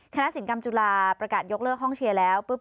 คณะศิลป์กรรมจุฬาประกาศยกเลิกห้องเชียร์แล้ว